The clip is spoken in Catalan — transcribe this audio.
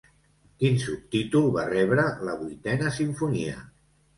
Quin subtítol va rebre la Vuitena Simfonia?